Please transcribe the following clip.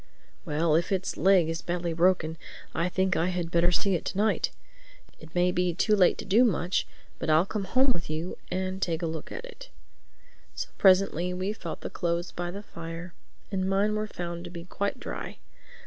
"Well, if its leg is badly broken I think I had better see it to night. It may be too late to do much; but I'll come home with you and take a look at it." So presently we felt the clothes by the fire and mine were found to be quite dry.